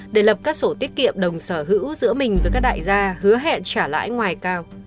để lập các sổ tiết kiệm đồng sở hữu giữa mình với các đại gia hứa hẹn trả lãi ngoài cao